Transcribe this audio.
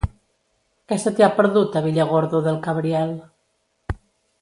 Què se t'hi ha perdut, a Villargordo del Cabriel?